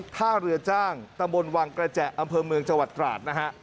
ธาเรือจ้างตะบลวังกระแจอันเพลิงเมืองน